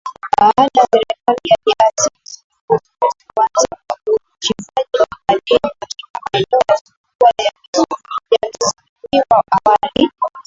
baada serikali ya drc kuruhusu kuanza kwa uchimbaji madini katika maeneo yaliokuwa yamezuiwa awali